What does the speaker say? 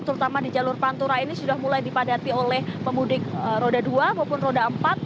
terutama di jalur pantura ini sudah mulai dipadati oleh pemudik roda dua maupun roda empat